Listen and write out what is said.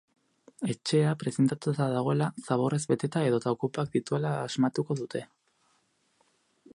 Etxea prezintatuta dagoela, zaborrez beteta edota okupak dituela asmatuko dute.